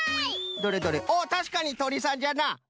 どれどれおおたしかにトリさんじゃな！